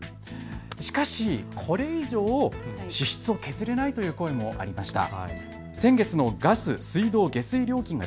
しかしこれ以上、支出を削れないという声もありました。